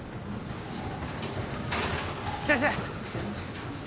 先生！